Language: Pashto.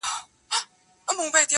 د دېوال شا ته پراته دي څو غيرانه!!